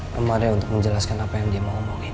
mama ada yang untuk menjelaskan apa yang dia mau omongin